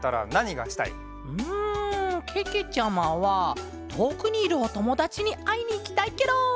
うんけけちゃまはとおくにいるおともだちにあいにいきたいケロ！